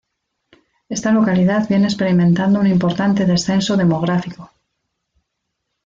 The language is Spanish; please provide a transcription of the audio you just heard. Esta localidad viene experimentando un importante descenso demográfico.